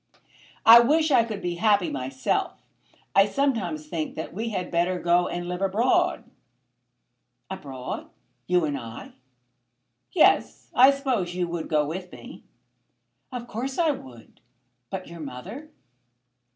"I wish I could be happy myself. I sometimes think that we had better go and live abroad." "Abroad! You and I?" "Yes. I suppose you would go with me?" "Of course I would. But your mother?"